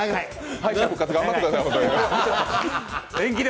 敗者復活頑張ってください、ホントに。